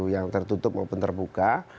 yang tertutup maupun terbuka